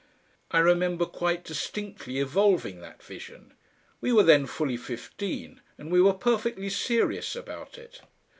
I remember quite distinctly evolving that vision. We were then fully fifteen and we were perfectly serious about it.